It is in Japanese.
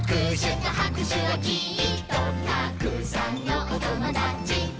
「たくさんのおともだちと」